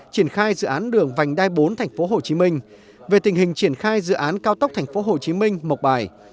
triển khai dự án đường vành đai bốn tp hcm về tình hình triển khai dự án cao tốc tp hcm một bài